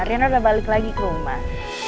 riana udah balik lagi ke rumah